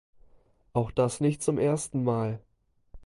Auch das nicht zum ersten Mal.